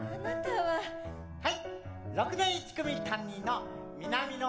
はい？